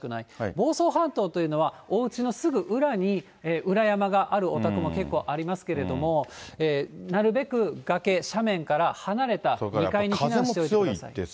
房総半島というのは、おうちのすぐ裏に裏山があるお宅も結構ありますけれども、なるべく崖、斜面から離れた２階に避難しておいてください。